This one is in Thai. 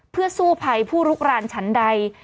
เพื่อสู้ภัยผู้ลุกรานฉันใด